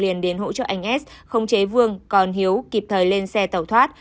liền đến hỗ trợ anh s không chế vương còn hiếu kịp thời lên xe tẩu thoát